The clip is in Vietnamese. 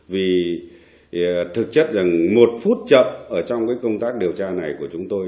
vì thực chất là một phút chậm ở trong công tác điều tra này của chúng tôi